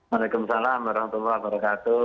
waalaikumsalam warahmatullahi wabarakatuh